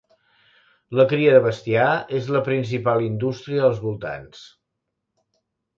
La cria de bestiar és la principal indústria als voltants.